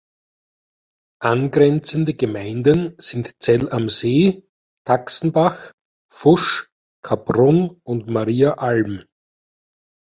Angrenzende Gemeinden sind Zell am See, Taxenbach, Fusch, Kaprun und Maria Alm.